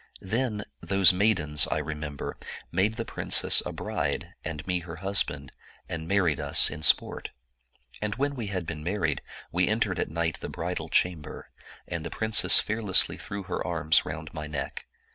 Then those maidens, I remember, made the princess a bride, and me her husband, and married us in sport. And when we had been married, we entered at night the bridal cham ber, and the princess fearlessly thr6w her arms round my neck.